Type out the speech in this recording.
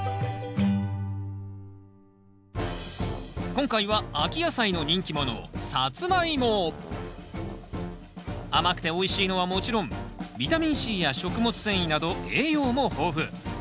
今回は秋野菜の人気者甘くておいしいのはもちろんビタミンＣや食物繊維など栄養も豊富。